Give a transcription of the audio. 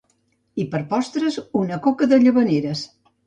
I per postres una coca de Llavaneres